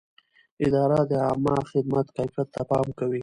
اداره د عامه خدمت کیفیت ته پام کوي.